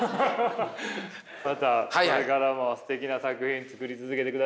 またこれからもすてきな作品作り続けてください。